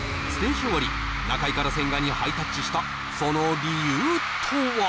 終わり中居から千賀にハイタッチしたその理由とは？